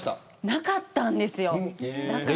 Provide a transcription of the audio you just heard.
なかったんですよ。